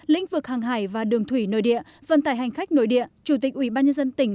lĩnh vực hàng hải và đường thủy nơi địa vận tải hành khách nội địa chủ tịch ubnd tỉnh